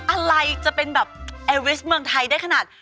อะไรจะเป็นแบบเอวิสเมืองไทยได้ขนาด